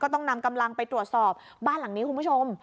ต้องนำกำลังไปตรวจสอบบ้านหลังนี้คุณผู้ชม